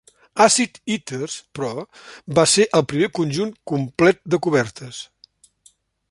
"Acid Eaters", però, va ser el primer conjunt complet de cobertes.